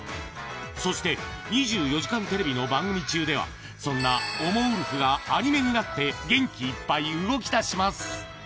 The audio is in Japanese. そして２４時間テレビの番組中では、そんなおもウルフがアニメになって元気いっぱい動きだします。